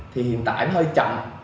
thì hiện tại nó hơi chậm